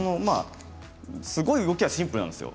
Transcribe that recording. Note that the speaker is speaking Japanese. すごい動きはシンプルなんですよ。